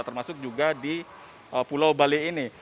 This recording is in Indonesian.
termasuk juga di pulau bali ini